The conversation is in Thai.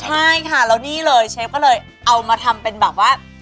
ใช่ค่ะแล้วนี่เลยเชฟก็เลยเอามาทำเป็นแบบว่า